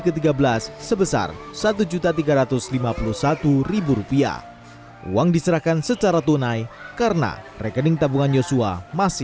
ke tiga belas sebesar seribu tiga ratus lima puluh seribu rupiah uang diserahkan secara tunai karena rekening tabungan yosua